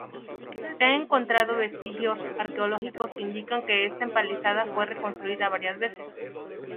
Se han encontrado vestigios arqueológicos que indican que esta empalizada fue reconstruida varias veces.